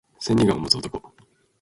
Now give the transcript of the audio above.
千里眼を持つ男